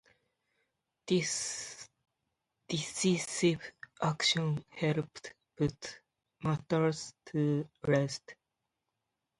This decisive action helped put matters to rest.